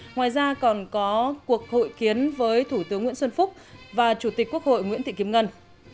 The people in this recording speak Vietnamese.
ngoài ra còn có cuộc hội kiến với thủ tướng nguyễn xuân phúc và chủ tịch quốc hội nguyễn thị kim ngân